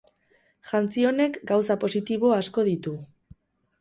Jantzi honek gauza positibo asko ditu.